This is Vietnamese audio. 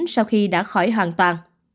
sau khi đã khỏi hoàn toàn